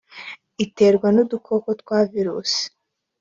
iterwa n udukoko twa virusi